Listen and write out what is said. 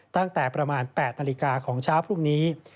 ตั้งแต่ประมาณ๘นาฬิกาของเช้าพรุ่งนี้